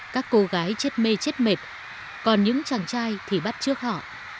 các cô gái chết mê chết mệt còn những chàng trai thì bắt trước họ